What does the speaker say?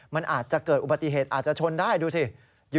มันอาจจะเกิดอุบัติเหตุอาจจะชนได้ดูสิ